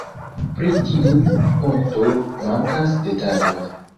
Pri tiu punkto mankas detaloj.